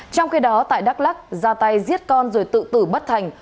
trong khi đó tại đắk lắc ra tay giết con rồi tự tử bất thành